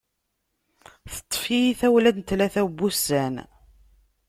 Teṭṭef-iyi tawla n tlata n wussan.